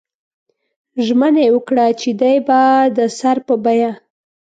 ژمنه یې وکړه چې دی به د سر په بیه.